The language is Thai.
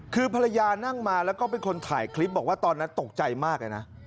คือภรรยานั่งมาแล้วก็เป็นคนถ่ายคลิปบอกว่าตอนนั้นตกใจมากเลยนะ